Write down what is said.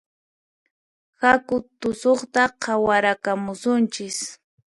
Haku tusuqta qhawarakamusunchis